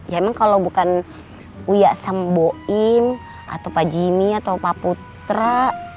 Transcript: ya emang kalo bukan uya samboim atau pak jimmy atau pak putra